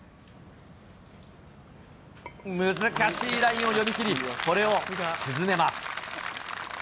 難しいラインを読み切り、これを沈めます。